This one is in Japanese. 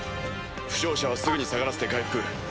負傷者はすぐに下がらせて回復。